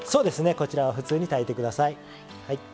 こちらは普通に炊いて下さい。